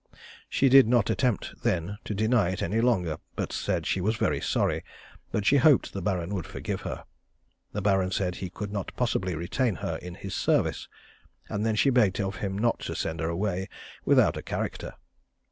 She did not attempt then to deny it any longer, but said she was very sorry, but she hoped the Baron would forgive her. The Baron said he could not possibly retain her in his service, and she then begged of him not to send her away without a character.